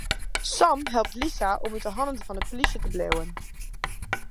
Sam helpt Lisa om út 'e hannen fan de plysje te bliuwen.